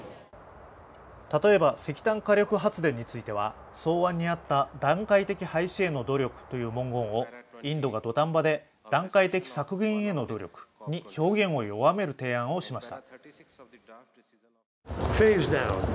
例えば石炭火力発電については、草案にあった段階的廃止への努力という文言をインドが土壇場で段階的削減への努力に表現を弱める提案をしました。